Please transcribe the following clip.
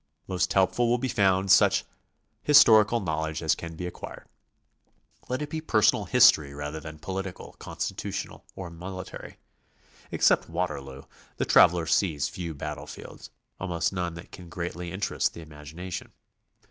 Most helpful will be found such historical knowledge as can be acquired. Let it be personal history rather than political, constitutional, or military. Except Waterloo, the traveler sees few battle fields, almost none that can greatly in terest the imagination.